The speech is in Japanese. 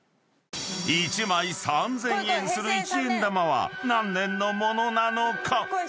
［１枚３，０００円する一円玉は何年の物なのか？］